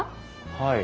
はい。